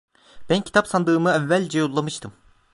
Ben kitap sandığımı evvelce yollamıştım.